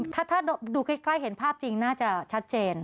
ถ้าดูใกล้เห็นภาพจริงน่าจะชัดเจน